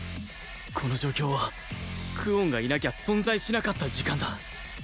この状況は久遠がいなきゃ存在しなかった時間だ